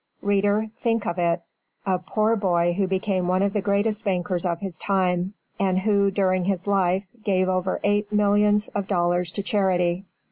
Reader, think of it; a poor boy who became one of the greatest bankers of his time, and who, during his life, gave over eight millions of dollars to charity.